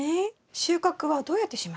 収穫はどうやってしましょうか？